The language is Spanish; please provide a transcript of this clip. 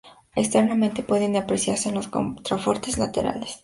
Externamente pueden apreciarse los contrafuertes laterales.